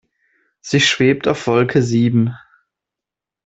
Sie schwebt auf Wolke sieben.